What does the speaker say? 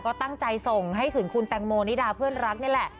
ก็ตั้งใจส่งให้ถึงคุณแตงโมนิดาเพื่อนรักนี่แหละ